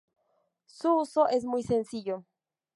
Su uso es muy sencillo.